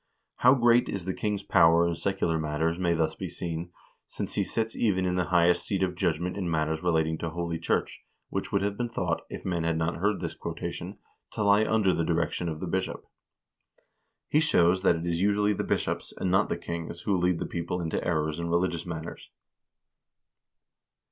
How great is the king's power in secular matters may thus be seen, since he sits even in the highest seat of judgment in matters relating to holy church, which would have been thought, if men had not heard this quotation, to lie under the direction of the bishop." He shows that it is usually the bishops, and not the kings, who lead the people into errors in religious matters.